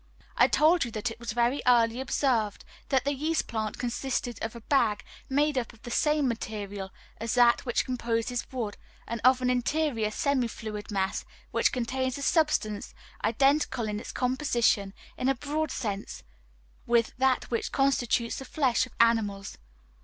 I told you that it was very early observed that the yeast plant consisted of a bag made up of the same material as that which composes wood, and of an interior semifluid mass which contains a substance, identical in its composition, in a broad sense, with that which constitutes the flesh of animals.